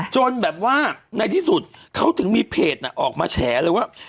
จนแบบว่าในที่สุดเขาถึงมีเพจออกมาแฉเลยว่า